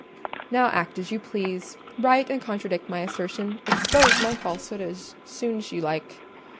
Now act as you please: write and contradict my assertion—expose my falsehood as soon as you like.